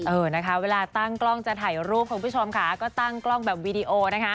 เออนะคะเวลาตั้งกล้องจะถ่ายรูปคุณผู้ชมค่ะก็ตั้งกล้องแบบวีดีโอนะคะ